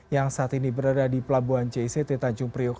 yang saat ini berada di pelabuhan jict tanjung priok